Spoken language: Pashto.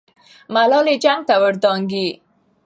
ملالۍ جنګ ته ور دانګي.